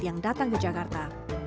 yang datang ke jakarta